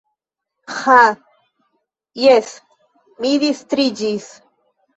Aĥ jes, mi distriĝis.